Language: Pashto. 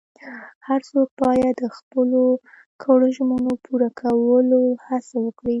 هر څوک باید د خپلو کړو ژمنو پوره کولو هڅه وکړي.